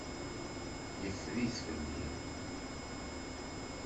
Yeffer-it fell-i.